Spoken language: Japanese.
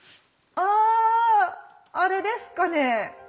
ああれですかね？